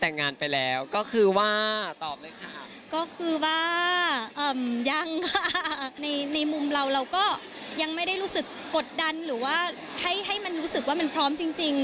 ในมุมเราก็ยังไม่ได้รู้สึกกดดันหรือว่าให้มันรู้สึกว่ามันพร้อมจริง